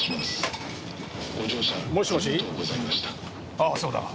ああそうだが。